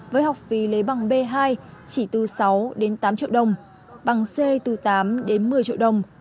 với học phí lấy bằng b hai chỉ từ sáu đến tám triệu đồng bằng c từ tám đến một mươi triệu đồng